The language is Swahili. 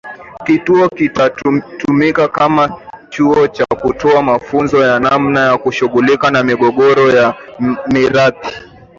Kituo kitatumika kama Chuo cha kutoa mafunzo ya namna ya kushughulikia migogoro ya mirathi